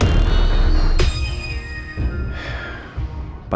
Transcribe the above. dan gak tanggung jawab